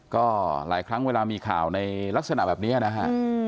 ก็หลายครั้งเวลามีข่าวในลักษณะแบบนี้นะฮะ